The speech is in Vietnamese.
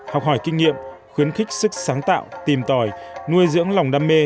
học hỏi kinh nghiệm khuyến khích sức sáng tạo tìm tòi nuôi dưỡng lòng đam mê